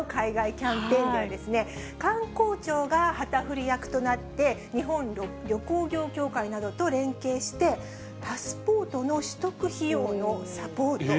キャンペーンでは、観光庁が旗振り役となって、日本旅行業協会などと連携して、パスポートの取得費用のサポート。